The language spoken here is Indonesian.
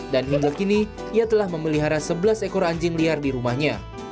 dan hingga kini ia telah memelihara sebelas ekor anjing liar di rumahnya